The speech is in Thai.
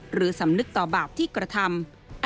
สำนึกต่อบาปที่กระทำ